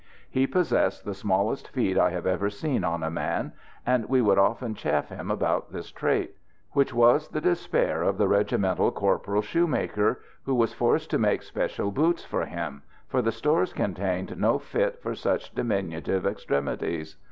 He possessed the smallest feet I have ever seen on a man; and we would often chaff him about this trait, which was the despair of the regimental "corporal shoemaker," who was forced to make special boots for him, for the stores contained no fit for such diminutive extremities.